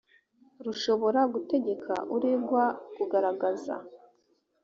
rushobora gutegeka uregwa kugaragaza